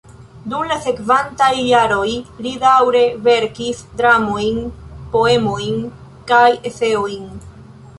Dum la sekvantaj jaroj li daŭre verkis dramojn, poemojn kaj eseojn.